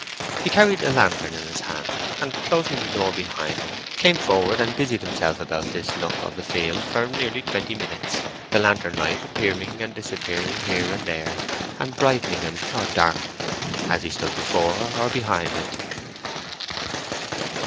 He carried a lantern in his hand, and closing the door behind him, came forward and busied himself about this nook of the field for nearly twenty minutes, the lantern light appearing and disappearing here and there, and brightening him or darkening him as he stood before or behind it.